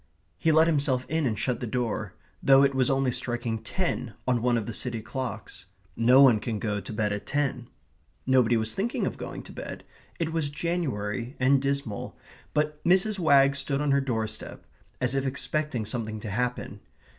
He let himself in and shut the door, though it was only striking ten on one of the city clocks. No one can go to bed at ten. Nobody was thinking of going to bed. It was January and dismal, but Mrs. Wagg stood on her doorstep, as if expecting something to happen.